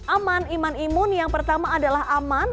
aman iman imun yang pertama adalah aman